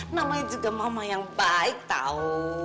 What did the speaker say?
namanya juga mama yang baik tahu